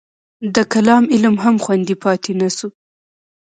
د کلام علم هم خوندي پاتې نه شو.